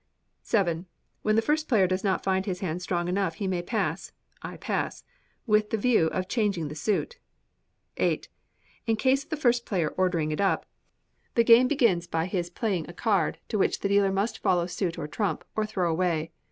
vii. When the first player does not find his hand strong enough, he may pass " I pass;" with the view of changing the suit. viii. In case of the first player "ordering it up," the game begins by his playing a card, to which the dealer must follow suit or trump, or throw away.